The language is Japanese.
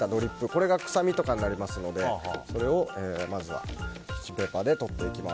これが臭みとかになりますのでキッチンペーパーでとっていきます。